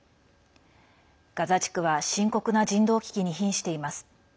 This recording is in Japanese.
ガザ地区は、深刻な人道危機にひんしています。